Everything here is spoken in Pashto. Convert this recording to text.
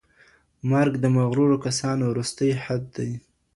مرګ د مغرورو کسانو وروستی حد دی.